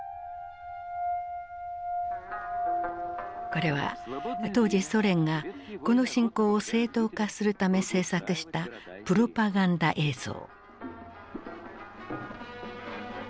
これは当時ソ連がこの侵攻を正当化するため制作したプロパガンダ映像。